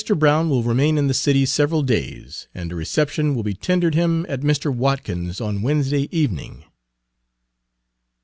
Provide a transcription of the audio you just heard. Brown will remain in the city several days, and a reception will be tendered him at Mr. Watkins's on Wednesday evening."